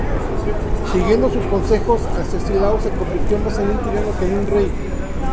Siguiendo sus consejos, Arcesilao se convirtió más en un tirano que en un rey.